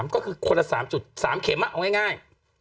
ก็คือคนละ๓๓เข็มเอาง่าย